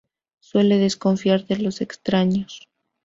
Suele desconfiar de los extraños.